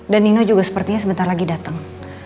dan nino juga sepertinya sebentar lagi datang